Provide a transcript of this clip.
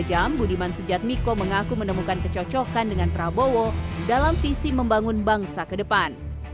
dua jam budiman sujatmiko mengaku menemukan kecocokan dengan prabowo dalam visi membangun bangsa ke depan